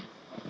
pak pak pak